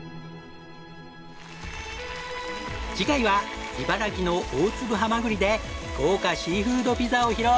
次回は茨城の大粒ハマグリで豪華シーフードピザを披露！